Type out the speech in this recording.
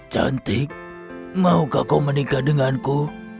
cantik maukah kau menikah denganku